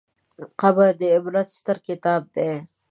قبر د عبرت ستر کتاب دی.